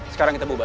sekarang kita bubar